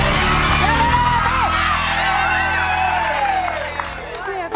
อีสี่ใบทุกนัก